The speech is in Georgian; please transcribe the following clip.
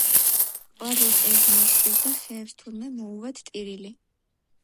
ყვავილთ ეს ზნე სჭირთ და ხეებს თურმე მოუვათ ტირილი